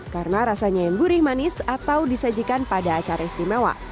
karena rasanya yang gurih manis atau disajikan pada acara istimewa